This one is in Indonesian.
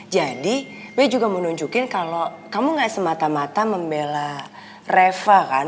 jadi be juga menunjukin kalau kamu gak semata mata membela reva kan